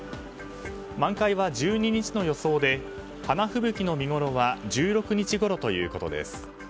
満開は１２日の予想で花吹雪の見ごろは１６日ごろということです。